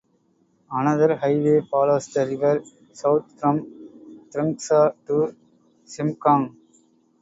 Another highway follows the river south from Trongsa to Shemgang.